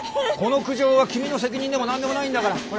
この苦情は君の責任でも何でもないんだから。